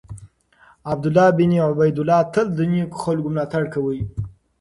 عمر بن عبیدالله تل د نېکو خلکو ملاتړ کاوه.